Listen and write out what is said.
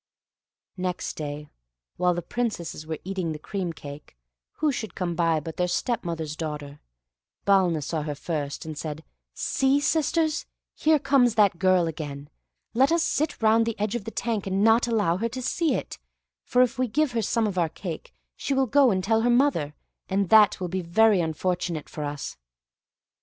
Next day, while the Princesses were eating the cream cake, who should come by but their stepmother's daughter. Balna saw her first, and said, "See, sisters, there comes that girl again. Let us sit round the edge of the tank and not allow her to see it, for if we give her some of our cake, she will go and tell her mother; and that will be very unfortunate for us."